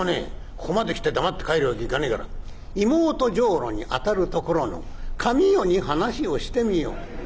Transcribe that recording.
ここまで来て黙って帰るわけにいかねえから『妹女郎にあたるところの神代に話をしてみよう』。